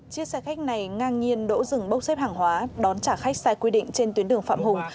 chiếc xe khách này ngang nhiên đỗ dừng bốc xếp hàng hóa đón trả khách sai quy định trên tuyến đường phạm hùng